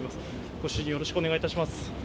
ご主人、よろしくお願いいたします。